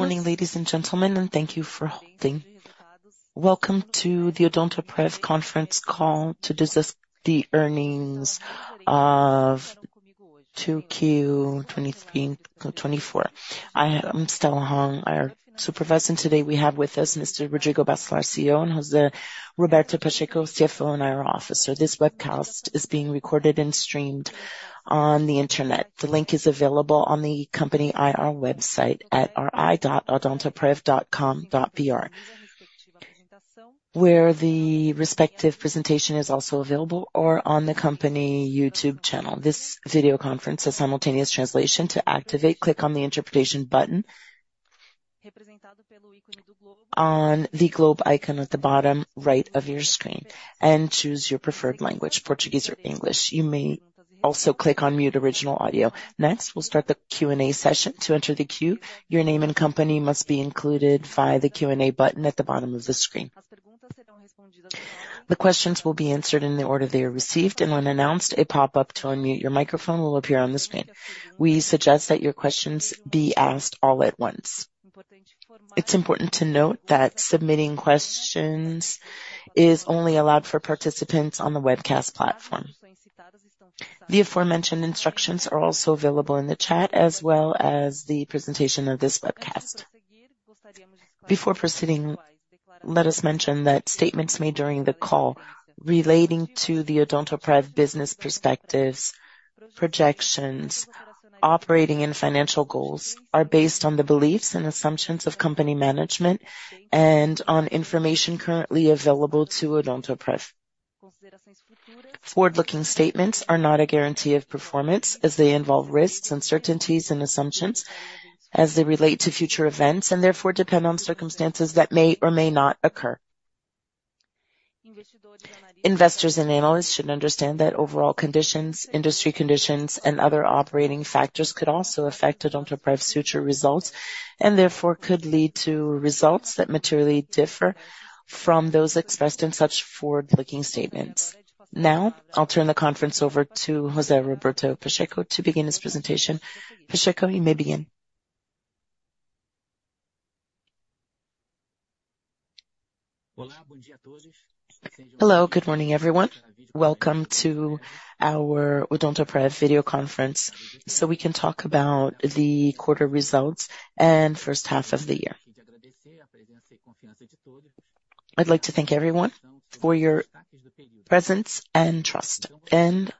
Good morning, ladies and gentlemen, and thank you for holding. Welcome to the Odontoprev Conference Call to discuss the earnings of Q2 2024. I'm Stella Hong, IR supervisor, and today we have with us Mr. Rodrigo Bacellar, CEO, and José Roberto Pacheco, CFO and IR officer. This webcast is being recorded and streamed on the internet. The link is available on the company IR website at ri.odontoprev.com.br, where the respective presentation is also available or on the company YouTube channel. This video conference has simultaneous translation. To activate, click on the Interpretation button on the globe icon at the bottom right of your screen, and choose your preferred language, Portuguese or English. You may also click on Mute Original Audio. Next, we'll start the Q&A session. To enter the queue, your name and company must be included via the Q&A button at the bottom of the screen. The questions will be answered in the order they are received, and when announced, a pop-up to unmute your microphone will appear on the screen. We suggest that your questions be asked all at once. It's important to note that submitting questions is only allowed for participants on the webcast platform. The aforementioned instructions are also available in the chat, as well as the presentation of this webcast. Before proceeding, let us mention that statements made during the call relating to the Odontoprev business perspectives, projections, operating and financial goals, are based on the beliefs and assumptions of company management, and on information currently available to Odontoprev. Forward-looking statements are not a guarantee of performance, as they involve risks, uncertainties, and assumptions as they relate to future events, and therefore, depend on circumstances that may or may not occur. Investors and analysts should understand that overall conditions, industry conditions, and other operating factors could also affect Odontoprev's future results, and therefore could lead to results that materially differ from those expressed in such forward-looking statements. Now, I'll turn the conference over to José Roberto Pacheco to begin his presentation. Pacheco, you may begin. Hello, good morning, everyone. Welcome to our Odontoprev video conference, so we can talk about the quarter results and first half of the year. I'd like to thank everyone for your presence and trust, and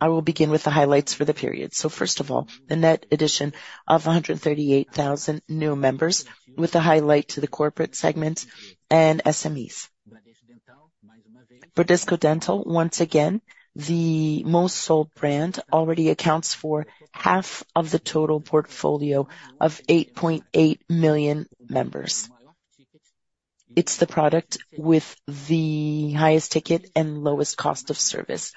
I will begin with the highlights for the period. So first of all, the net addition of 138,000 new members, with a highlight to the corporate segments and SMEs. Bradesco Dental, once again, the most sold brand, already accounts for half of the total portfolio of 8.8 million members. It's the product with the highest ticket and lowest cost of service.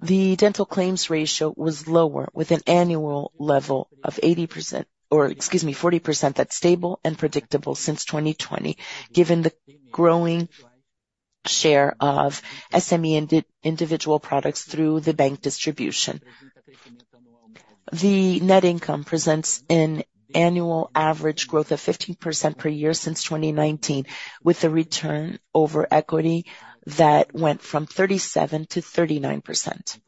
The dental claims ratio was lower, with an annual level of 80% or excuse me, 40%. That's stable and predictable since 2020, given the growing share of SME and individual products through the bank distribution. The net income presents an annual average growth of 15% per year since 2019, with a return on equity that went from 37% to 39%.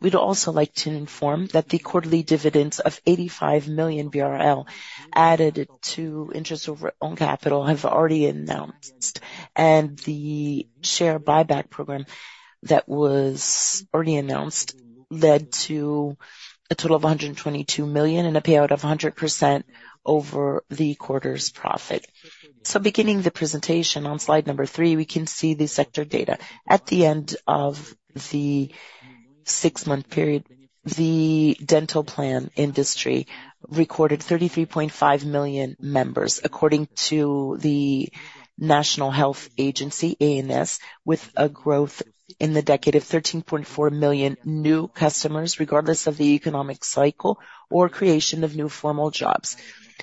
We'd also like to inform that the quarterly dividends of 85 million BRL, added to interest on own capital, have already been announced. And the share buyback program that was already announced led to a total of 122 million, and a payout of 100% over the quarter's profit. So beginning the presentation on slide number 3, we can see the sector data. At the end of the six-month period, the dental plan industry recorded 33.5 million members, according to the National Health Agency, ANS, with a growth in the decade of 13.4 million new customers, regardless of the economic cycle or creation of new formal jobs.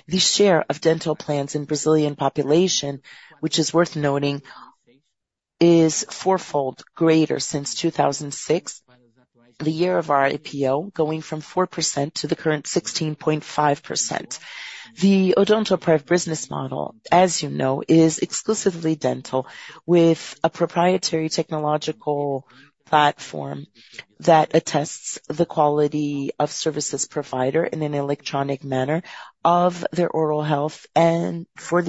The share of dental plans in Brazilian population, which is worth noting, is fourfold greater since 2006, the year of our IPO, going from 4% to the current 16.5%. The Odontoprev business model, as you know, is exclusively dental, with a proprietary technological platform that attests the quality of service providers in an electronic manner of their oral health and for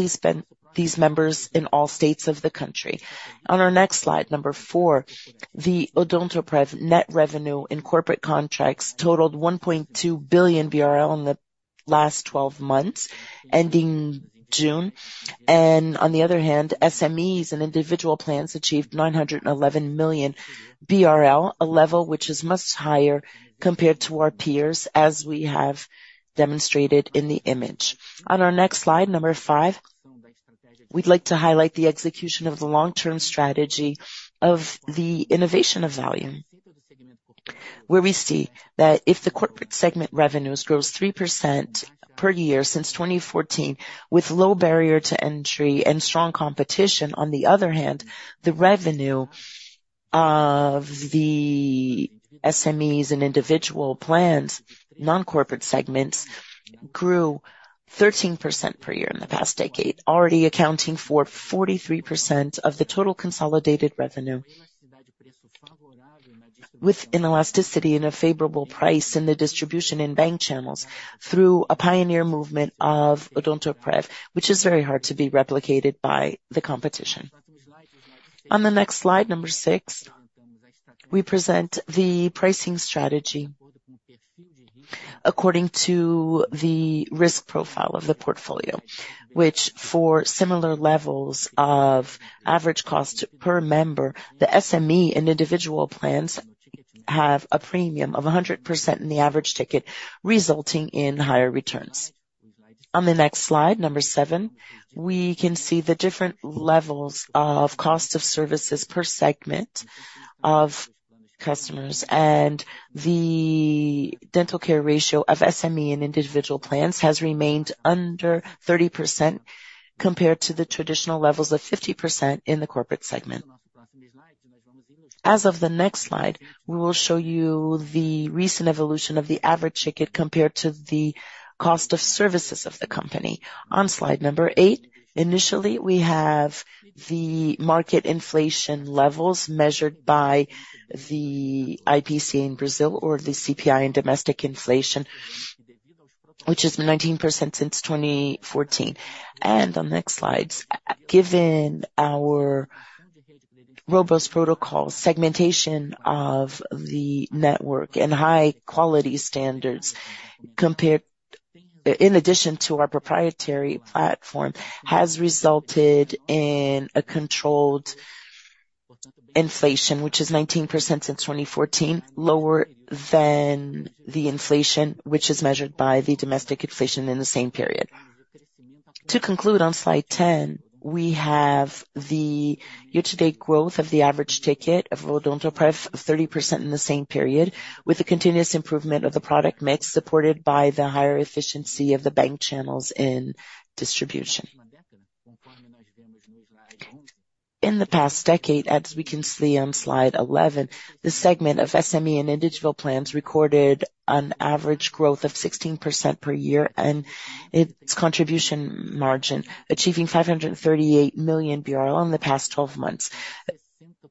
these members in all states of the country. On our next slide, number 4, the Odontoprev net revenue in corporate contracts totaled 1.2 billion BRL in the last 12 months, ending June. On the other hand, SMEs and individual plans achieved 911 million BRL, a level which is much higher compared to our peers, as we have demonstrated in the image. On our next slide, number 5, we'd like to highlight the execution of the long-term strategy of the innovation of value, where we see that if the corporate segment revenues grows 3% per year since 2014, with low barrier to entry and strong competition, on the other hand, the revenue of the SMEs and individual plans, non-corporate segments grew 13% per year in the past decade, already accounting for 43% of the total consolidated revenue. With an elasticity and a favorable price in the distribution in bank channels, through a pioneer movement of Odontoprev, which is very hard to be replicated by the competition. On the next slide, number 6, we present the pricing strategy according to the risk profile of the portfolio, which for similar levels of average cost per member, the SME and individual plans have a premium of 100% in the average ticket, resulting in higher returns. On the next slide, number 7, we can see the different levels of cost of services per segment of customers, and the dental care ratio of SME and individual plans has remained under 30% compared to the traditional levels of 50% in the corporate segment. As of the next slide, we will show you the recent evolution of the average ticket compared to the cost of services of the company. On slide number 8, initially, we have the market inflation levels measured by the IPCA in Brazil or the CPI in domestic inflation, which is 19% since 2014. On the next slides, given our robust protocol, segmentation of the network and high quality standards compared. In addition to our proprietary platform, has resulted in a controlled inflation, which is 19% since 2014, lower than the inflation, which is measured by the domestic inflation in the same period. To conclude on slide 10, we have the year-to-date growth of the average ticket of Odontoprev, 30% in the same period, with a continuous improvement of the product mix, supported by the higher efficiency of the bank channels in distribution. In the past decade, as we can see on slide 11, the segment of SME and individual plans recorded an average growth of 16% per year, and its contribution margin, achieving 538 million BRL in the past twelve months,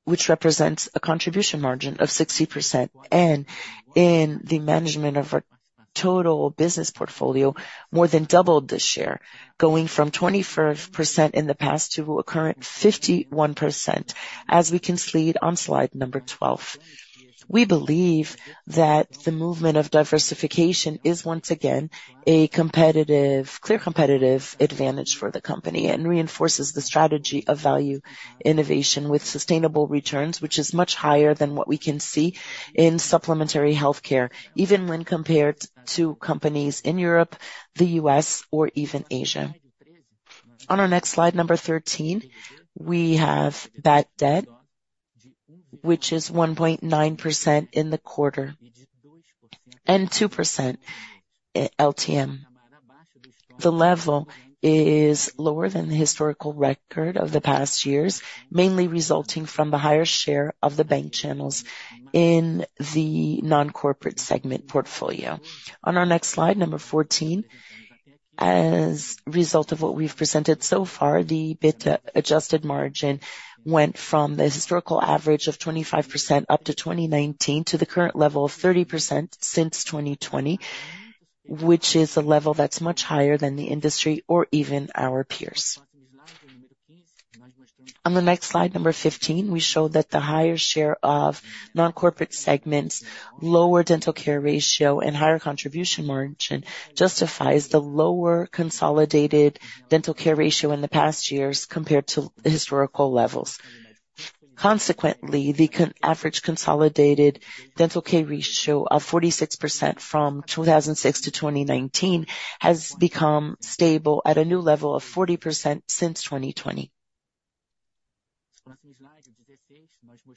which represents a contribution margin of 60%. And in the management of our total business portfolio, more than doubled this year, going from 24% in the past to a current 51%, as we can see it on slide number 12. We believe that the movement of diversification is once again a competitive, clear competitive advantage for the company and reinforces the strategy of value innovation with sustainable returns, which is much higher than what we can see in supplementary health care, even when compared to companies in Europe, the U.S., or even Asia. On our next slide, 13, we have bad debt, which is 1.9% in the quarter, and 2%, LTM. The level is lower than the historical record of the past years, mainly resulting from the higher share of the bank channels in the non-corporate segment portfolio. On our next slide, 14, as a result of what we've presented so far, the EBITDA-adjusted margin went from the historical average of 25% up to 2019 to the current level of 30% since 2020, which is a level that's much higher than the industry or even our peers. On the next slide, 15, we show that the higher share of non-corporate segments, lower dental care ratio, and higher contribution margin justifies the lower consolidated dental care ratio in the past years compared to historical levels. Consequently, the average consolidated dental care ratio of 46% from 2006 to 2019 has become stable at a new level of 40% since 2020.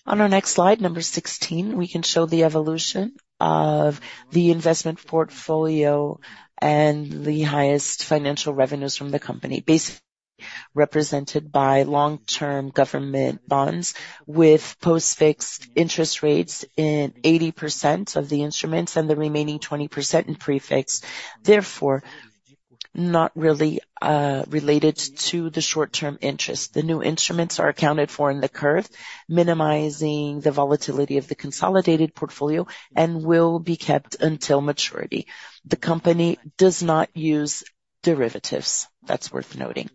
On our next slide, number 16, we can show the evolution of the investment portfolio and the highest financial revenues from the company, basically represented by long-term government bonds, with post-fixed interest rates in 80% of the instruments and the remaining 20% in pre-fixed, therefore, not really related to the short-term interest. The new instruments are accounted for in the curve, minimizing the volatility of the consolidated portfolio and will be kept until maturity. The company does not use derivatives. That's worth noting.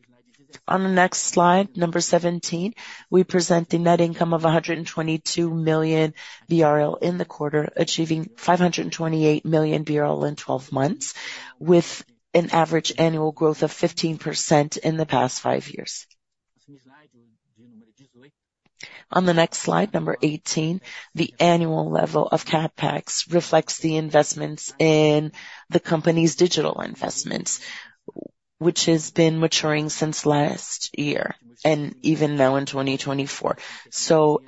On the next slide, number 17, we present the net income of 122 million BRL in the quarter, achieving 528 million BRL in 12 months, with an average annual growth of 15% in the past 5 years. On the next slide, number 18, the annual level of CapEx reflects the investments in the company's digital investments, which has been maturing since last year and even now in 2024. So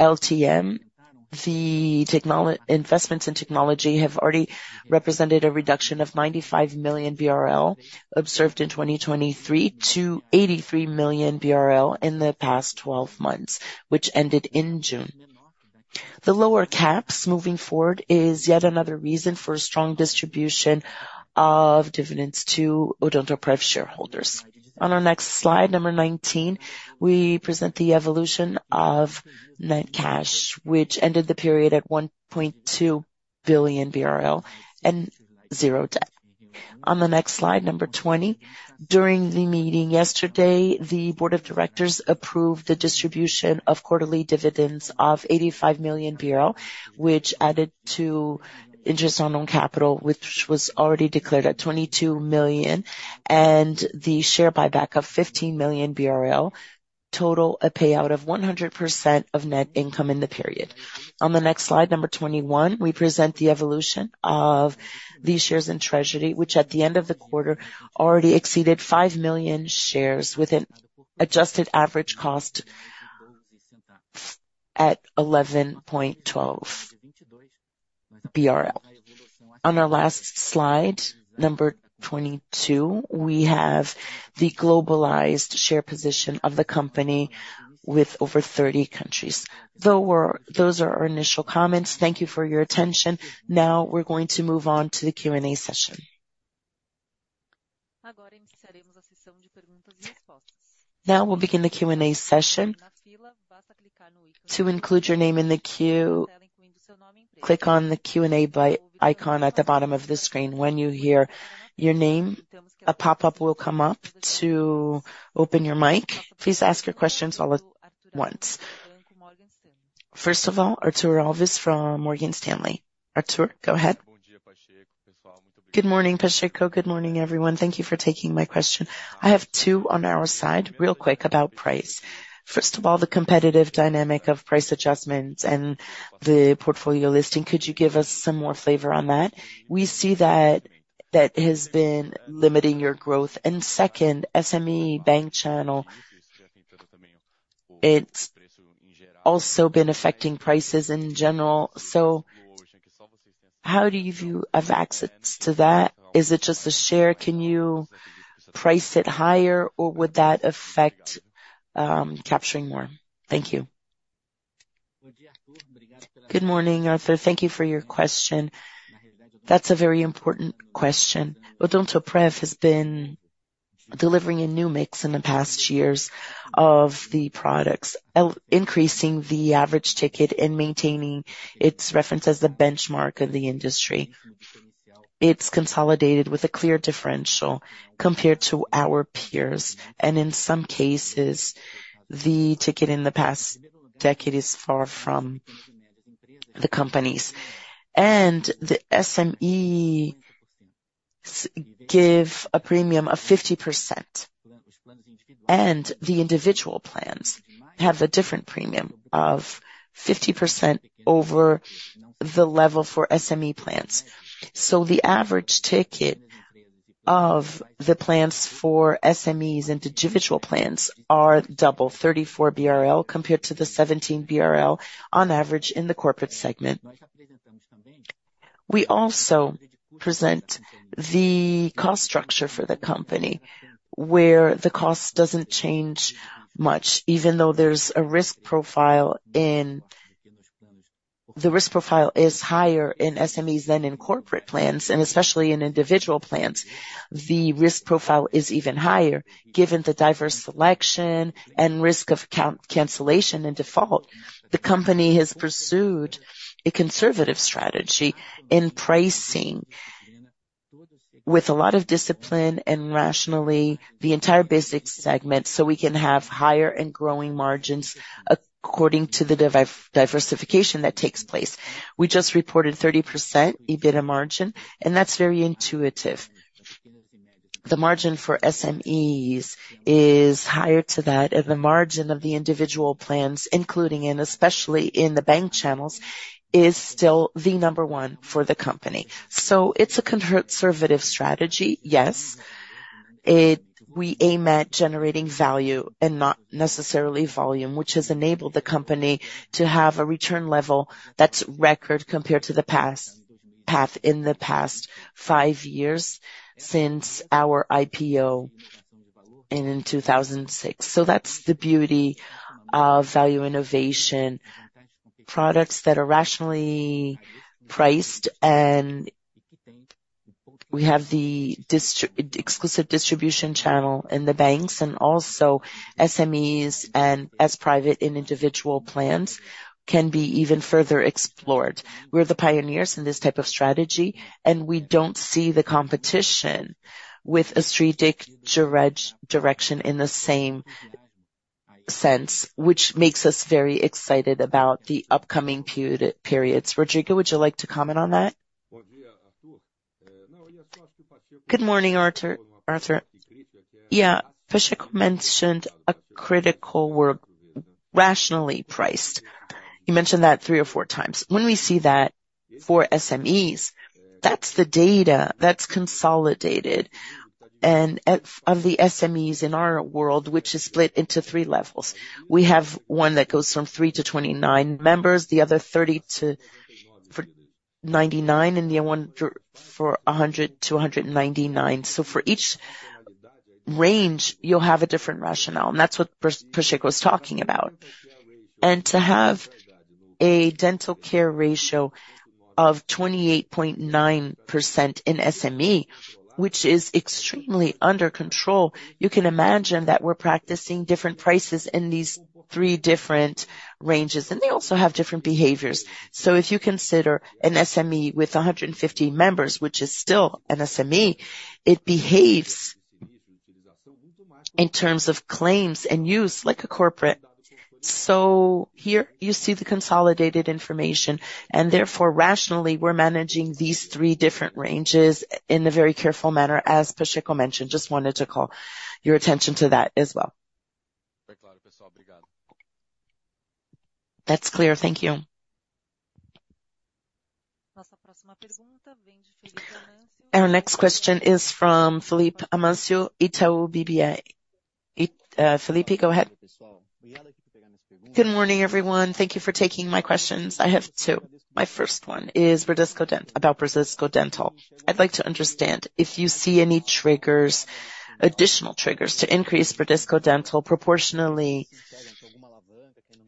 investments in technology have already represented a reduction of 95 million BRL, observed in 2023 to 83 million BRL in the past 12 months, which ended in June. The lower CapEx moving forward is yet another reason for a strong distribution of dividends to Odontoprev shareholders. On our next slide, number 19, we present the evolution of net cash, which ended the period at 1.2 billion BRL and zero debt. On the next slide, number 20. During the meeting yesterday, the board of directors approved the distribution of quarterly dividends of 85 million, which added to interest on capital, which was already declared at 22 million, and the share buyback of 15 million BRL, total a payout of 100% of net income in the period. On the next slide, number 21, we present the evolution of these shares in treasury, which at the end of the quarter, already exceeded 5 million shares within adjusted average cost at 11.12 BRL. On our last slide, number 22, we have the globalized share position of the company with over 30 countries. Those are our initial comments. Thank you for your attention. Now, we're going to move on to the Q&A session. Now we'll begin the Q&A session. To include your name in the queue, click on the Q&A icon at the bottom of the screen. When you hear your name, a pop-up will come up to open your mic. Please ask your questions all at once. First of all, Arthur Alves from Morgan Stanley. Arthur, go ahead. Good morning, Pacheco. Good morning, everyone. Thank you for taking my question. I have two on our side, real quick about price. First of all, the competitive dynamic of price adjustments and the portfolio listing, could you give us some more flavor on that? We see that that has been limiting your growth. And second, SME bank channel, it's also been affecting prices in general. So how do you view access to that? Is it just a share? Can you price it higher, or would that affect, capturing more? Thank you. Good morning, Arthur. Thank you for your question. That's a very important question. Odontoprev has been delivering a new mix in the past years of the products, increasing the average ticket and maintaining its reference as the benchmark of the industry. It's consolidated with a clear differential compared to our peers, and in some cases, the ticket in the past decade is far from the companies. And the SME give a premium of 50%, and the individual plans have a different premium of 50% over the level for SME plans. So the average ticket of the plans for SMEs and individual plans are double 34 BRL compared to the 17 BRL on average in the corporate segment. We also present the cost structure for the company, where the cost doesn't change much, even though there's a risk profile in... The risk profile is higher in SMEs than in corporate plans, and especially in individual plans, the risk profile is even higher, given the adverse selection and risk of cancellation and default. The company has pursued a conservative strategy in pricing with a lot of discipline and rationally, the entire basic segment, so we can have higher and growing margins according to the diversification that takes place. We just reported 30% EBITDA margin, and that's very intuitive. The margin for SMEs is higher to that, and the margin of the individual plans, including and especially in the bank channels, is still the number one for the company. So it's a conservative strategy, yes. We aim at generating value and not necessarily volume, which has enabled the company to have a return level that's record compared to the past path in the past 5 years since our IPO in 2006. So that's the beauty of value innovation. Products that are rationally priced, and we have the exclusive distribution channel in the banks and also SMEs and as private and individual plans, can be even further explored. We're the pioneers in this type of strategy, and we don't see the competition with a strategic direction in the same sense, which makes us very excited about the upcoming periods. Rodrigo, would you like to comment on that? Good morning, Arthur. Arthur. Yeah, Pacheco mentioned a critical word, rationally priced. You mentioned that three or four times. When we see that for SMEs, that's the data that's consolidated. And of the SMEs in our world, which is split into three levels. We have one that goes from 3 to 29 members, the other 30 to 99, and the one for 100 to 199. So for each range, you'll have a different rationale, and that's what Pacheco was talking about. And to have a dental care ratio of 28.9% in SME, which is extremely under control, you can imagine that we're practicing different prices in these three different ranges, and they also have different behaviors. So if you consider an SME with 150 members, which is still an SME, it behaves in terms of claims and use like a corporate. So here you see the consolidated information, and therefore, rationally, we're managing these three different ranges in a very careful manner, as Pacheco mentioned. Just wanted to call your attention to that as well. That's clear. Thank you. Our next question is from Felipe Amancio, Itaú BBA. Felipe, go ahead. Good morning, everyone. Thank you for taking my questions. I have two. My first one is Bradesco Dental, about Bradesco Dental. I'd like to understand if you see any triggers, additional triggers to increase Bradesco Dental proportionally.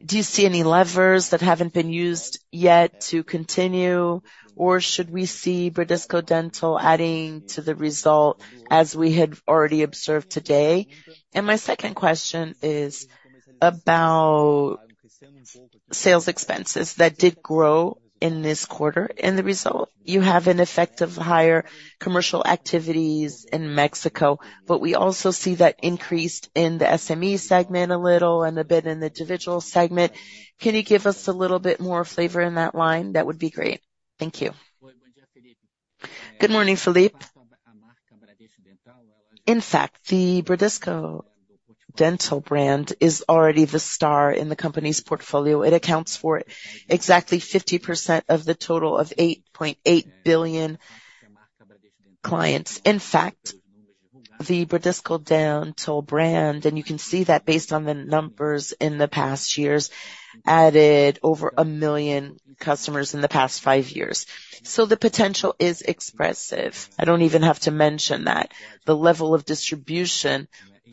Do you see any levers that haven't been used yet to continue, or should we see Bradesco Dental adding to the result as we had already observed today? And my second question is about sales expenses that did grow in this quarter. In the result, you have an effect of higher commercial activities in Mexico, but we also see that increased in the SME segment a little and a bit in the individual segment. Can you give us a little bit more flavor in that line? That would be great. Thank you. Good morning, Felipe. In fact, the Bradesco Dental brand is already the star in the company's portfolio. It accounts for exactly 50% of the total of 8.8 billion clients. In fact, the Bradesco Dental brand, and you can see that based on the numbers in the past years, added over 1 million customers in the past 5 years. So the potential is expressive. I don't even have to mention that. The level of distribution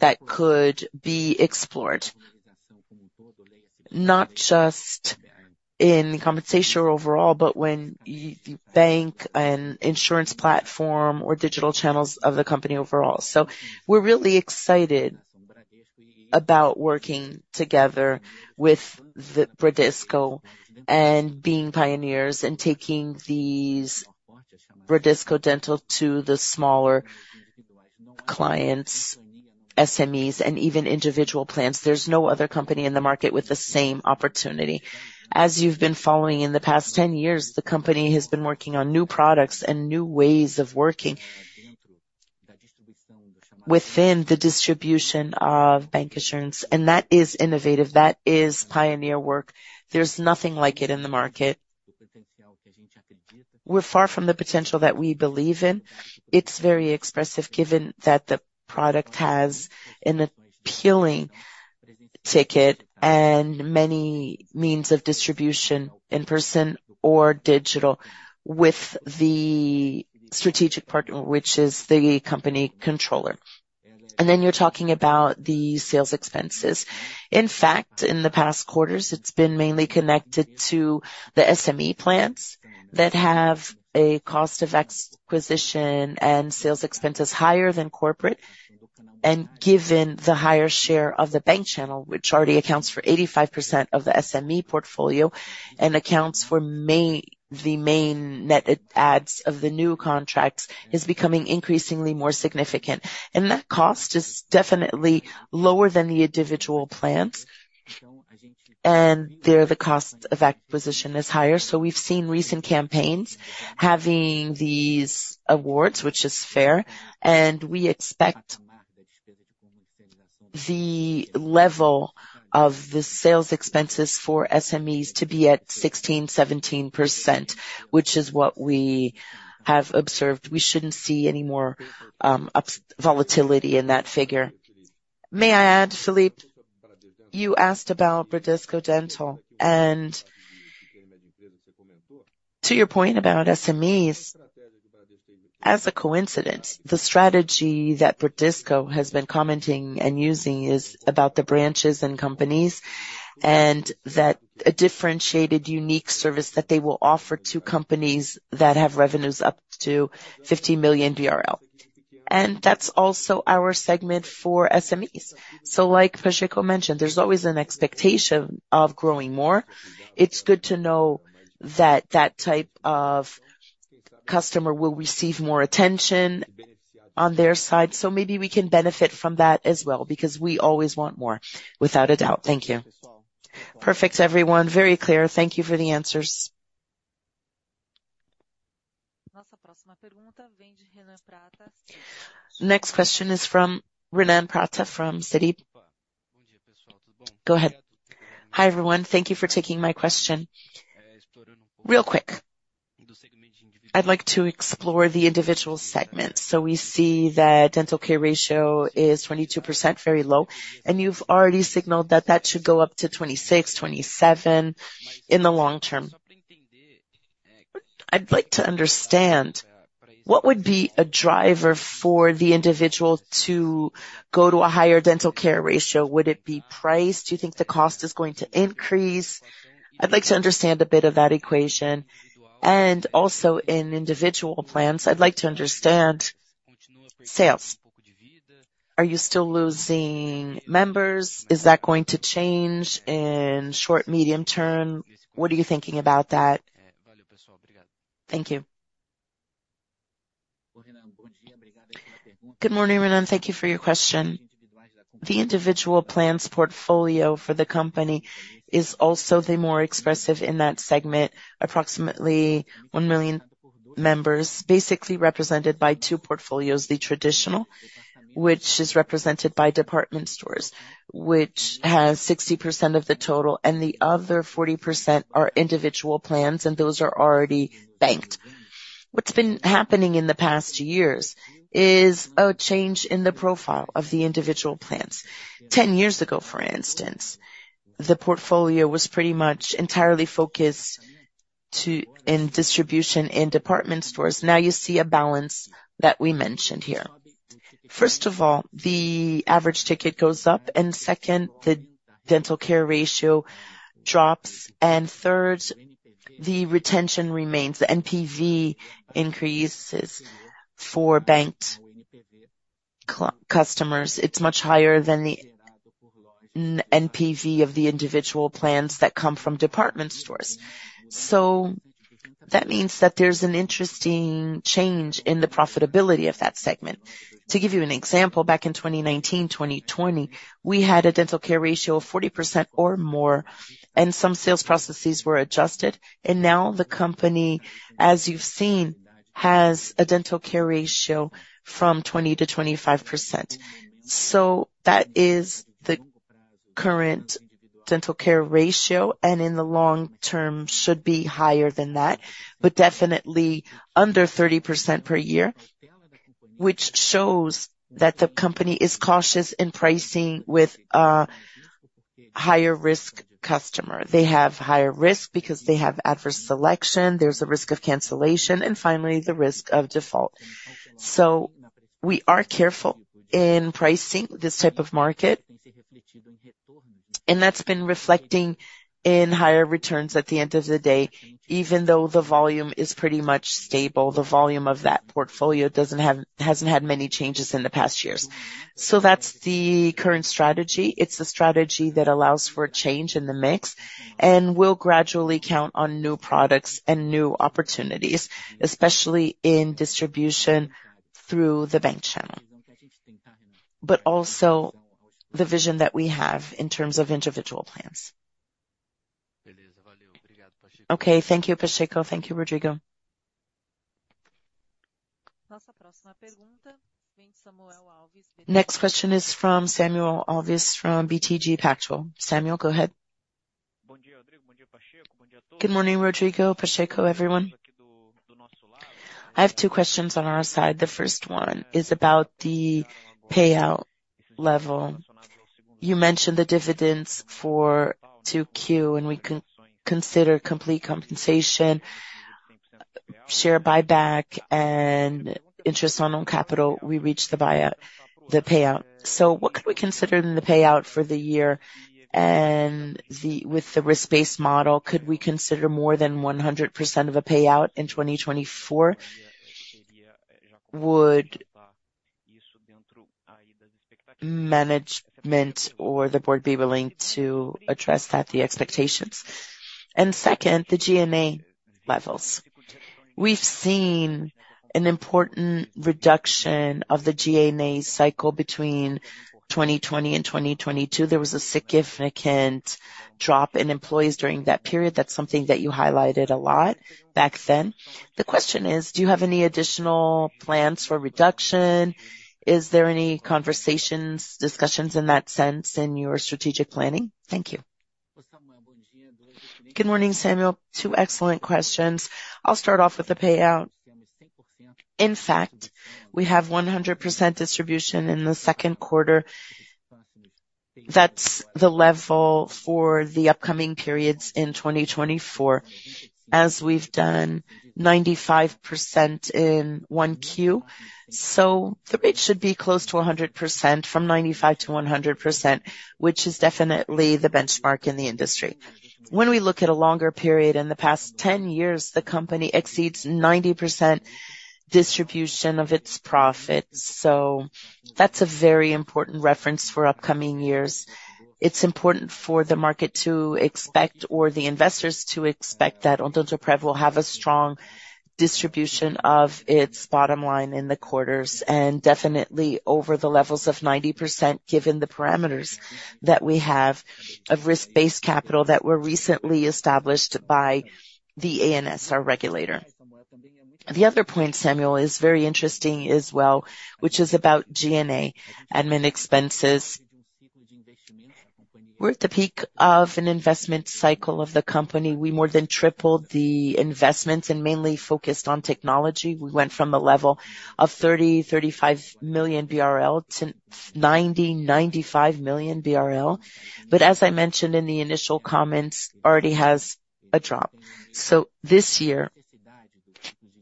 that could be explored, not just in compensation overall, but when the bank and insurance platform or digital channels of the company overall. So we're really excited about working together with the Bradesco and being pioneers and taking these Bradesco Dental to the smaller clients, SMEs, and even individual plans. There's no other company in the market with the same opportunity. As you've been following in the past 10 years, the company has been working on new products and new ways of working within the distribution of bank insurance, and that is innovative. That is pioneer work. There's nothing like it in the market. We're far from the potential that we believe in. It's very expressive, given that the product has an appealing ticket and many means of distribution, in person or digital, with the strategic partner, which is the company controller. And then you're talking about the sales expenses. In fact, in the past quarters, it's been mainly connected to the SME plans that have a cost of acquisition and sales expenses higher than corporate, and given the higher share of the bank channel, which already accounts for 85% of the SME portfolio and accounts for the main net adds of the new contracts, is becoming increasingly more significant. And that cost is definitely lower than the individual plans, and there, the cost of acquisition is higher. So we've seen recent campaigns having these awards, which is fair, and we expect the level of the sales expenses for SMEs to be at 16% to 17%, which is what we have observed. We shouldn't see any more upside volatility in that figure. May I add, Felipe, you asked about Bradesco Dental, and to your point about SMEs, as a coincidence, the strategy that Bradesco has been commenting and using is about the branches and companies, and that a differentiated, unique service that they will offer to companies that have revenues up to 50 million BRL. That's also our segment for SMEs. So like Pacheco mentioned, there's always an expectation of growing more. It's good to know that that type of customer will receive more attention on their side, so maybe we can benefit from that as well, because we always want more, without a doubt. Thank you. Perfect, everyone. Very clear. Thank you for the answers. Next question is from Renan Prata, from Citi. Go ahead. Hi, everyone. Thank you for taking my question. Real quick, I'd like to explore the individual segments. So we see that dental care ratio is 22%, very low, and you've already signaled that that should go up to 26, 27 in the long term. I'd like to understand, what would be a driver for the individual to go to a higher dental care ratio? Would it be price? Do you think the cost is going to increase? I'd like to understand a bit of that equation, and also in individual plans, I'd like to understand sales. Are you still losing members? Is that going to change in short, medium term? What are you thinking about that? Thank you. Good morning, Renan. Thank you for your question. The individual plans portfolio for the company is also the more expressive in that segment. Approximately 1 million members, basically represented by two portfolios: the traditional, which is represented by department stores, which has 60% of the total, and the other 40% are individual plans, and those are already banked. What's been happening in the past years is a change in the profile of the individual plans. 10 years ago, for instance, the portfolio was pretty much entirely focused in distribution in department stores. Now you see a balance that we mentioned here. First of all, the average ticket goes up, and second, the dental care ratio drops, and third, the retention remains. The NPV increases for banked customers. It's much higher than the NPV of the individual plans that come from department stores. So that means that there's an interesting change in the profitability of that segment. To give you an example, back in 2019, 2020, we had a dental care ratio of 40% or more, and some sales processes were adjusted, and now the company, as you've seen, has a dental care ratio from 20% to 25%. So that is the current dental care ratio, and in the long term, should be higher than that, but definitely under 30% per year, which shows that the company is cautious in pricing with a higher-risk customer. They have higher risk because they have adverse selection, there's a risk of cancellation, and finally, the risk of default. So we are careful in pricing this type of market, and that's been reflecting in higher returns at the end of the day, even though the volume is pretty much stable. The volume of that portfolio hasn't had many changes in the past years. So that's the current strategy. It's a strategy that allows for a change in the mix and will gradually count on new products and new opportunities, especially in distribution through the bank channel, but also the vision that we have in terms of individual plans. Okay, thank you, Pacheco. Thank you, Rodrigo. Next question is from Samuel Alves, from BTG Pactual. Samuel, go ahead. Good morning, Rodrigo, Pacheco, everyone. I have two questions on our side. The first one is about the payout level. You mentioned the dividends for Q2, and we consider complete compensation, share buyback, and interest on capital, we reach the payout, the payout. So what could we consider in the payout for the year? And the, with the risk-based model, could we consider more than 100% of a payout in 2024? Would management or the board be willing to address that, the expectations? And second, the G&A levels. We've seen an important reduction of the G&A cycle between 2020 and 2022. There was a significant drop in employees during that period. That's something that you highlighted a lot back then. The question is: do you have any additional plans for reduction? Is there any conversations, discussions in that sense in your strategic planning? Thank you. Good morning, Samuel. Two excellent questions. I'll start off with the payout. In fact, we have 100% distribution in the Q2. That's the level for the upcoming periods in 2024, as we've done 95% in Q1. So the rate should be close to 100%, from 95% to 100%, which is definitely the benchmark in the industry. When we look at a longer period, in the past 10 years, the company exceeds 90% distribution of its profits, so that's a very important reference for upcoming years. It's important for the market to expect, or the investors to expect, that Odontoprev will have a strong distribution of its bottom line in the quarters, and definitely over the levels of 90%, given the parameters that we have of risk-based capital that were recently established by the ANS regulator. The other point, Samuel, is very interesting as well, which is about G&A admin expenses. We're at the peak of an investment cycle of the company. We more than tripled the investments and mainly focused on technology. We went from a level of 30 million to 35 million BRL to 90 million to 95 million BRL. But as I mentioned in the initial comments, already has a drop. So this year,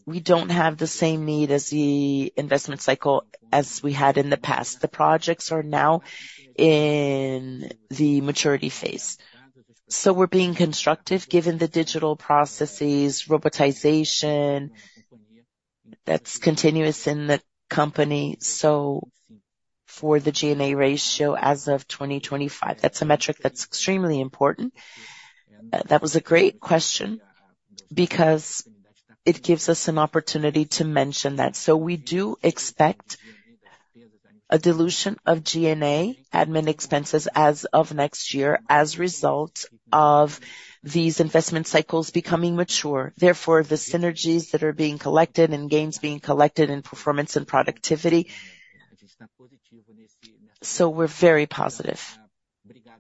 we don't have the same need as the investment cycle as we had in the past. The projects are now in the maturity phase. So we're being constructive, given the digital processes, robotization, that's continuous in the company. So for the G&A ratio as of 2025, that's a metric that's extremely important. That was a great question because it gives us an opportunity to mention that. So we do expect a dilution of G&A admin expenses as of next year as a result of these investment cycles becoming mature. Therefore, the synergies that are being collected and gains being collected in performance and productivity, so we're very positive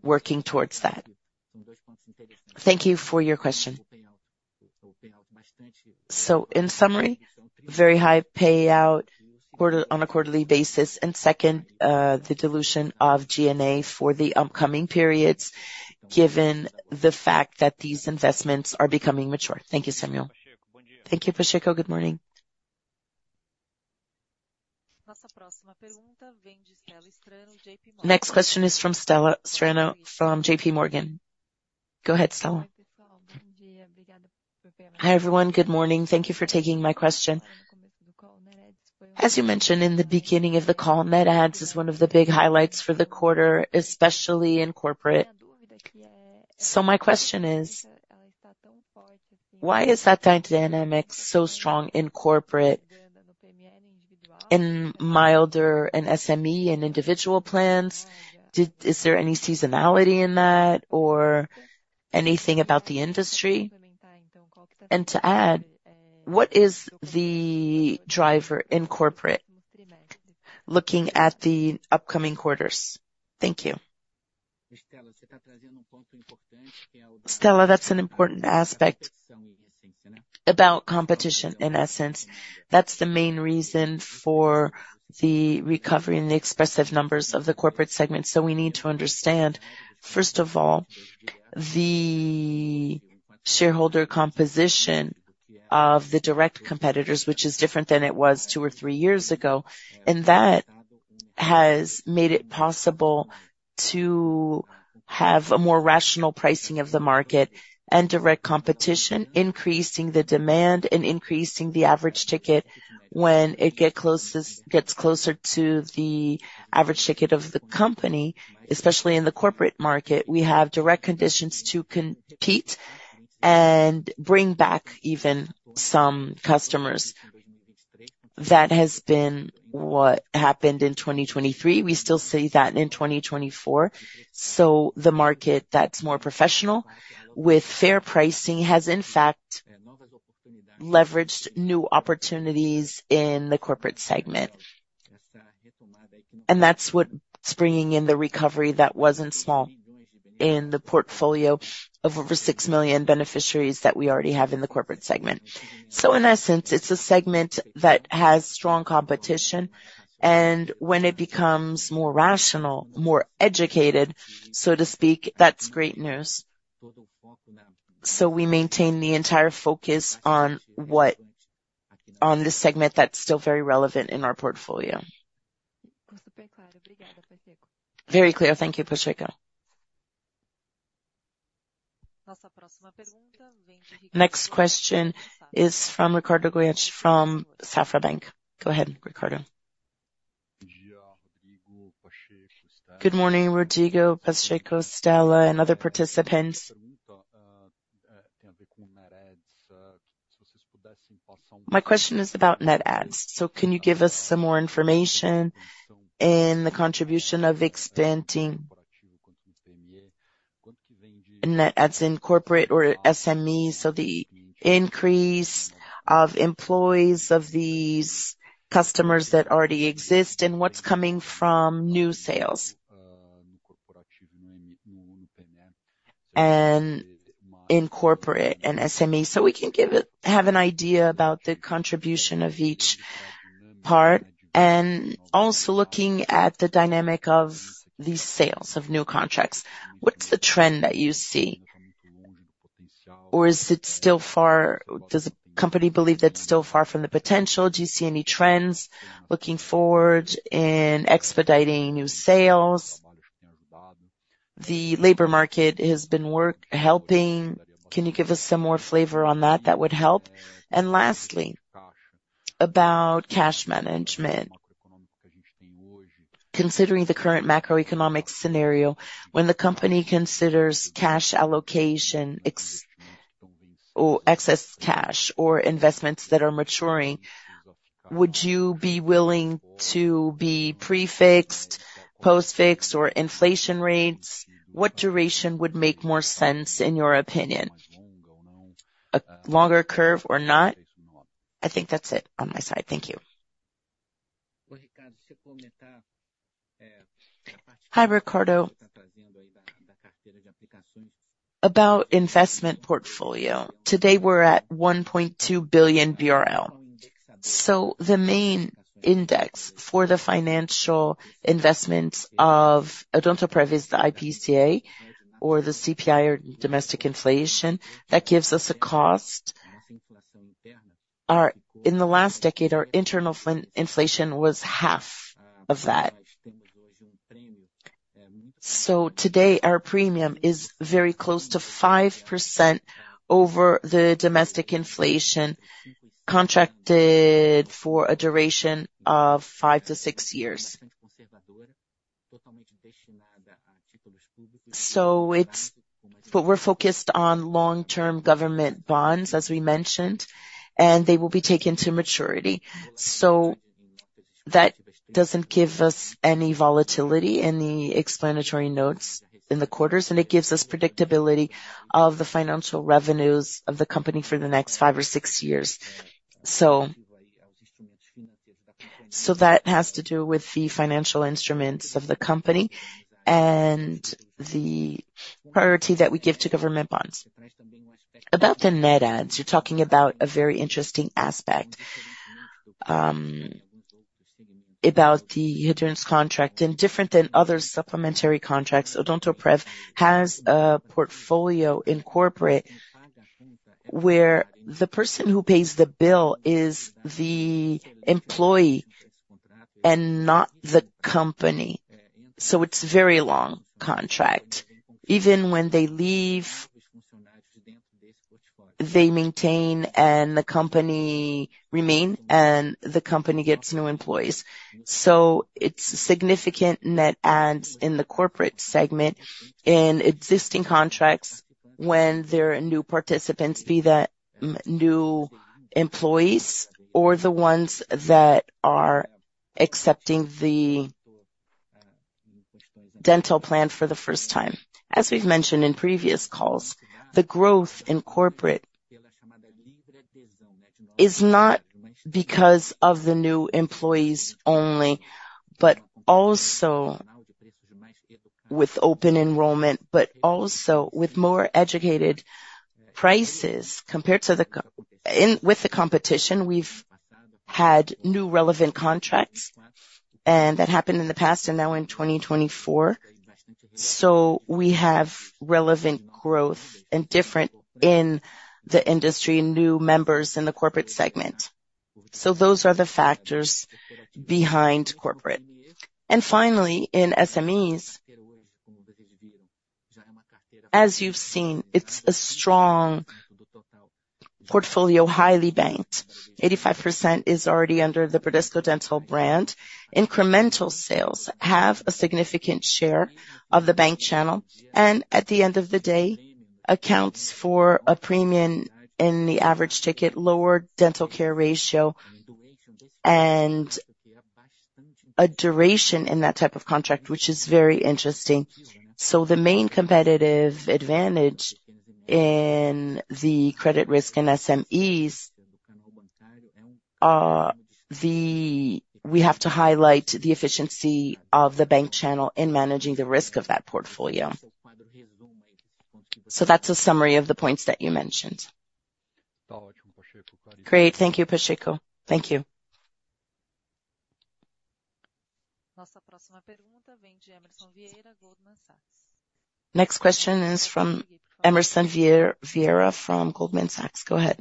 working towards that. Thank you for your question. So in summary, very high payout quarter, on a quarterly basis, and second, the dilution of G&A for the upcoming periods, given the fact that these investments are becoming mature. Thank you, Samuel. Thank you, Pacheco. Good morning. Next question is from Stella Strano from JPMorgan. Go ahead, Stella. Hi, everyone. Good morning. Thank you for taking my question. As you mentioned in the beginning of the call, net adds is one of the big highlights for the quarter, especially in corporate. So my question is, why is that dynamic so strong in corporate and milder in SME and individual plans? Is there any seasonality in that or anything about the industry? And to add, what is the driver in corporate looking at the upcoming quarters? Thank you. Stella, that's an important aspect about competition, in essence. That's the main reason for the recovery in the expressive numbers of the corporate segment. So we need to understand, first of all, the shareholder composition of the direct competitors, which is different than it was two or three years ago, and that has made it possible to have a more rational pricing of the market and direct competition, increasing the demand and increasing the average ticket. When it gets closer to the average ticket of the company, especially in the corporate market, we have direct conditions to compete and bring back even some customers. That has been what happened in 2023. We still see that in 2024. So the market that's more professional, with fair pricing, has, in fact, leveraged new opportunities in the corporate segment. And that's what's bringing in the recovery that wasn't small in the portfolio of over 6 million beneficiaries that we already have in the corporate segment. So in essence, it's a segment that has strong competition, and when it becomes more rational, more educated, so to speak, that's great news. So we maintain the entire focus on what, on this segment that's still very relevant in our portfolio. Very clear. Thank you, Pacheco. Next question is from Ricardo Boechat, from Banco Safra. Go ahead, Ricardo. Good morning, Rodrigo, Pacheco, Stella, and other participants. My question is about net adds. So can you give us some more information in the contribution of extending net adds in corporate or SMEs, so the increase of employees of these customers that already exist, and what's coming from new sales? In corporate and SME, so we can have an idea about the contribution of each part. And also looking at the dynamic of these sales, of new contracts, what's the trend that you see? Or is it still far from the potential? Does the company believe that's still far from the potential? Do you see any trends looking forward in expediting new sales? The labor market has been working, helping. Can you give us some more flavor on that? That would help. And lastly, about cash management. Considering the current macroeconomic scenario, when the company considers cash allocation, excess cash or investments that are maturing. Would you be willing to be prefixed, postfixed, or inflation rates? What duration would make more sense in your opinion? A longer curve or not? I think that's it on my side. Thank you. Hi, Ricardo. About investment portfolio, today we're at 1.2 billion BRL. So the main index for the financial investments of Odontoprev is the IPCA, or the CPI, or domestic inflation. That gives us a cost. Our internal inflation in the last decade was half of that. So today, our premium is very close to 5% over the domestic inflation, contracted for a duration of 5 to 6 years. So it's. But we're focused on long-term government bonds, as we mentioned, and they will be taken to maturity. So that doesn't give us any volatility in the explanatory notes in the quarters, and it gives us predictability of the financial revenues of the company for the next 5 or 6 years. So, so that has to do with the financial instruments of the company and the priority that we give to government bonds. About the net adds, you're talking about a very interesting aspect about the insurance contract. And different than other supplementary contracts, Odontoprev has a portfolio in corporate, where the person who pays the bill is the employee and not the company, so it's very long contract. Even when they leave, they maintain, and the company remain, and the company gets new employees. So it's significant net adds in the corporate segment, in existing contracts when there are new participants, be that new employees or the ones that are accepting the dental plan for the first time. As we've mentioned in previous calls, the growth in corporate is not because of the new employees only, but also with open enrollment, but also with more educated prices. Compared to the competition, we've had new relevant contracts, and that happened in the past and now in 2024. So we have relevant growth and different in the industry, new members in the corporate segment. So those are the factors behind corporate. And finally, in SMEs, as you've seen, it's a strong portfolio, highly banked. 85% is already under the Bradesco Dental brand. Incremental sales have a significant share of the bank channel, and at the end of the day, accounts for a premium in the average ticket, lower dental care ratio, and a duration in that type of contract, which is very interesting. So the main competitive advantage in the credit risk in SMEs are the., we have to highlight the efficiency of the bank channel in managing the risk of that portfolio. So that's a summary of the points that you mentioned. Great. Thank you, Pacheco. T hank you. Next question is from Emerson Vieira from Goldman Sachs. Go ahead.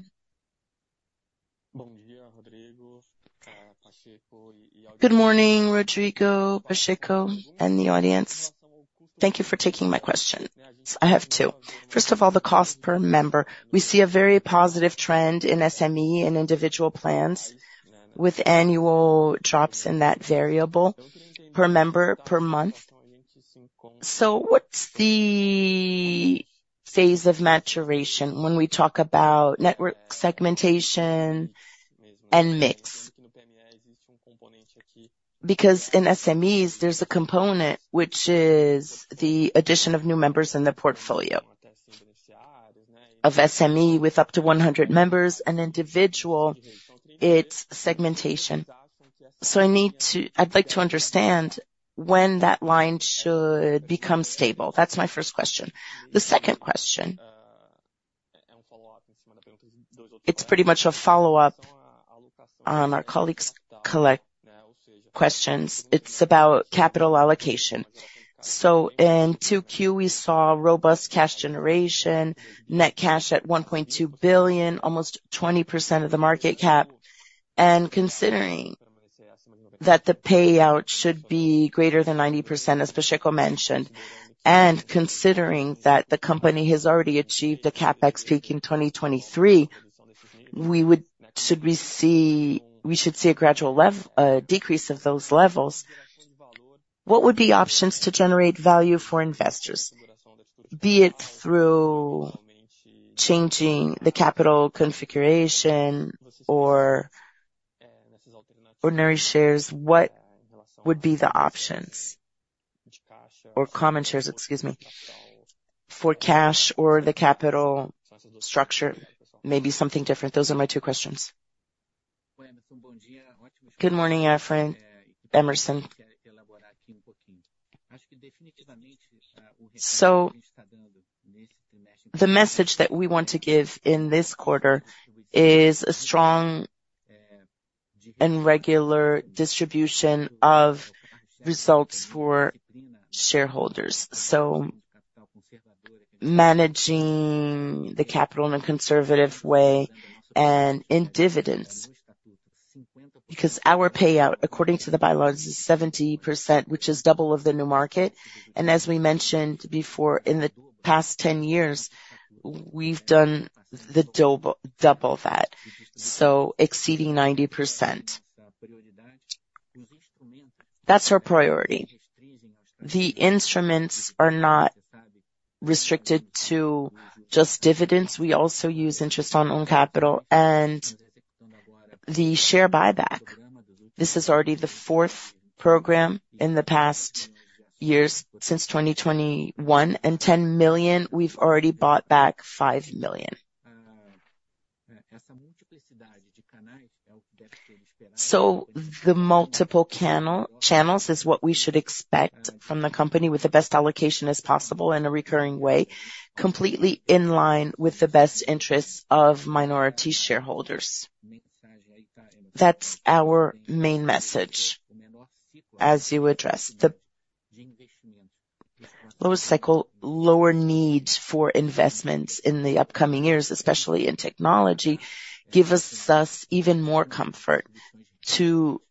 Good morning, Rodrigo, Pacheco, and the audience. Thank you for taking my question. I have two. First of all, the cost per member. We see a very positive trend in SME, in individual plans, with annual drops in that variable per member, per month. So what's the phase of maturation when we talk about network segmentation and mix? Because in SMEs, there's a component, which is the addition of new members in the portfolio of SME, with up to 100 members and individual, its segmentation. So I'd like to understand when that line should become stable. That's my first question. The second question, it's pretty much a follow-up on our colleagues' questions. It's about capital allocation. So in Q2, we saw robust cash generation, net cash at 1.2 billion, almost 20% of the market cap. And considering that the payout should be greater than 90%, as Pacheco mentioned, and considering that the company has already achieved a CapEx peak in 2023, we should see a gradual level decrease of those levels. What would be options to generate value for investors? Be it through changing the capital configuration or ordinary shares, what would be the options? Or common shares, excuse me, for cash or the capital structure, maybe something different. Those are my two questions. Good morning, Emerson. So the message that we want to give in this quarter is a strong and regular distribution of results for shareholders. So managing the capital in a conservative way and in dividends, because our payout, according to the bylaws, is 70%, which is double of the new market. And as we mentioned before, in the past 10 years, we've done the double, double that, so exceeding 90%. That's our priority. The instruments are not restricted to just dividends. We also use interest on own capital and the share buyback. This is already the fourth program in the past years, since 2021, and 10 million, we've already bought back 5 million. So the multiple channels is what we should expect from the company with the best allocation as possible in a recurring way, completely in line with the best interests of minority shareholders. That's our main message. As you addressed, the lower cycle, lower need for investments in the upcoming years, especially in technology, gives us even more comfort to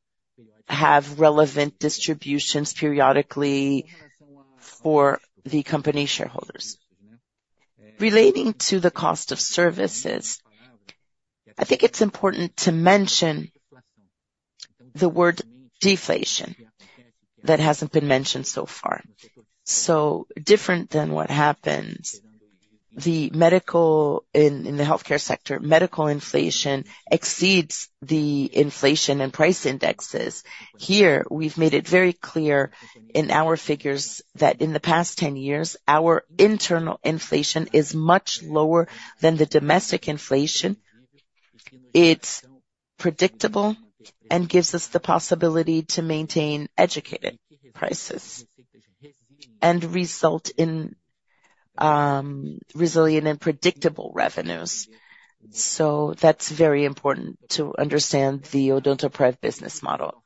have relevant distributions periodically for the company shareholders. Relating to the cost of services, I think it's important to mention the word deflation that hasn't been mentioned so far. So different than what happens in the healthcare sector, medical inflation exceeds the inflation and price indexes. Here, we've made it very clear in our figures that in the past 10 years, our internal inflation is much lower than the domestic inflation. It's predictable and gives us the possibility to maintain educated prices and result in resilient and predictable revenues. So that's very important to understand the Odontoprev business model.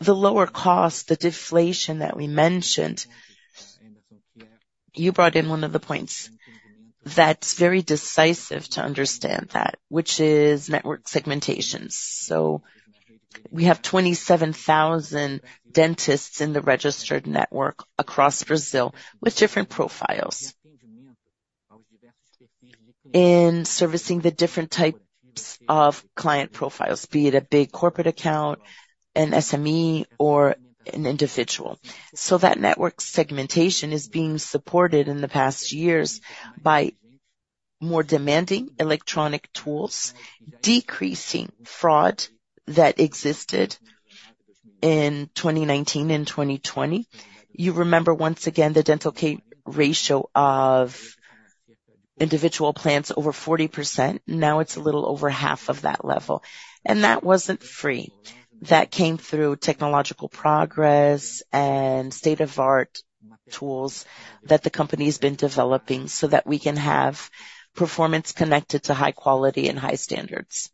The lower cost, the deflation that we mentioned, you brought in one of the points that's very decisive to understand that, which is network segmentations. So we have 27,000 dentists in the registered network across Brazil, with different profiles. In servicing the different types of client profiles, be it a big corporate account, an SME, or an individual. So that network segmentation is being supported in the past years by more demanding electronic tools, decreasing fraud that existed in 2019 and 2020. You remember, once again, the dental care ratio of individual plans over 40%. Now, it's a little over half of that level, and that wasn't free. That came through technological progress and state-of-the-art tools that the company's been developing so that we can have performance connected to high quality and high standards.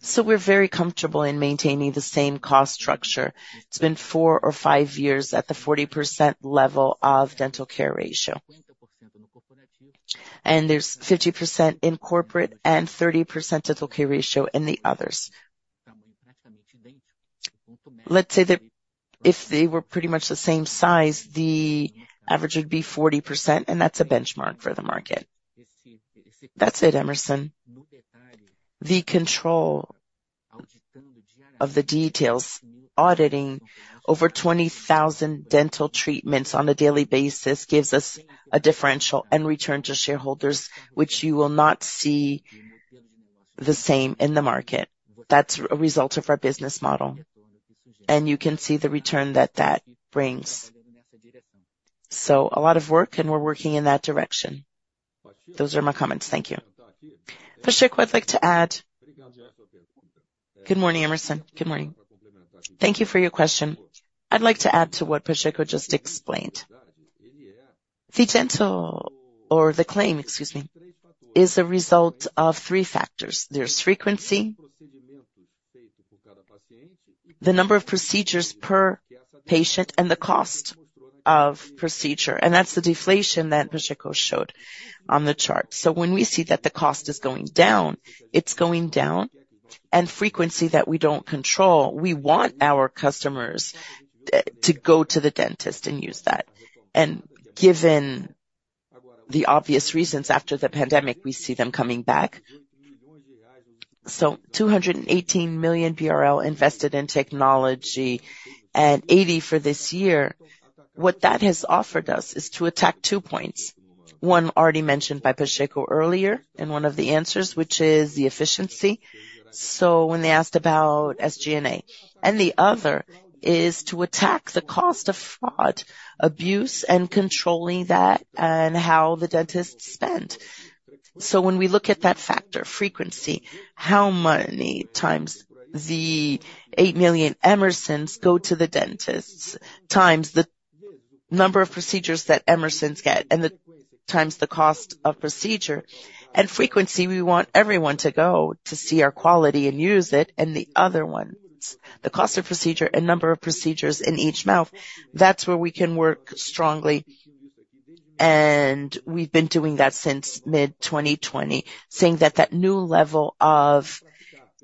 So we're very comfortable in maintaining the same cost structure. It's been 4 or 5 years at the 40% level of dental care ratio. There's 50% in corporate and 30% dental care ratio in the others. Let's say that if they were pretty much the same size, the average would be 40%, and that's a benchmark for the market. That's it, Emerson. The control of the details, auditing over 20,000 dental treatments on a daily basis gives us a differential and return to shareholders, which you will not see the same in the market. That's a result of our business model, and you can see the return that that brings. So a lot of work, and we're working in that direction. Those are my comments. Thank you. Pacheco, I'd like to add. Good morning, Emerson. Good morning. Thank you for your question. I'd like to add to what Pacheco just explained. The dental or the claim, excuse me, is a result of three factors. There's frequency, the number of procedures per patient, and the cost of procedure, and that's the deflation that Pacheco showed on the chart. So when we see that the cost is going down, it's going down, and frequency that we don't control, we want our customers to, to go to the dentist and use that. And given the obvious reasons after the pandemic, we see them coming back. So 218 million BRL invested in technology and 80 million for this year. What that has offered us is to attack two points. One already mentioned by Pacheco earlier in one of the answers, which is the efficiency. So when they asked about SG&A, and the other is to attack the cost of fraud, abuse, and controlling that and how the dentists spend. When we look at that factor, frequency, how many times the 8 million Emersons go to the dentist, times the number of procedures that Emersons get, and the cost of procedure. Frequency, we want everyone to go to see our quality and use it, and the other ones, the cost of procedure and number of procedures in each mouth, that's where we can work strongly, and we've been doing that since mid-2020. Saying that that new level of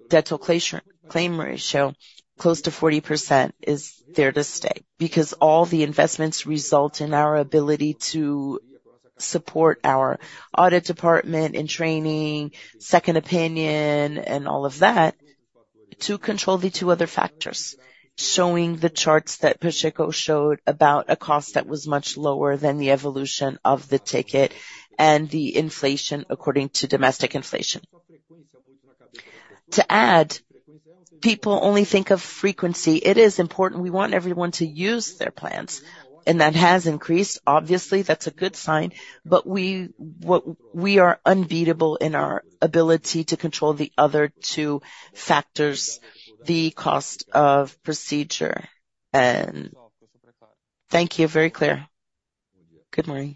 dental claims ratio, close to 40%, is there to stay, because all the investments result in our ability to support our audit department in training, second opinion, and all of that, to control the two other factors. Showing the charts that Pacheco showed about a cost that was much lower than the evolution of the ticket and the inflation, according to domestic inflation. To add, people only think of frequency. It is important, we want everyone to use their plans, and that has increased. Obviously, that's a good sign, but we are unbeatable in our ability to control the other two factors, the cost of procedure and thank you. Very clear. Good morning.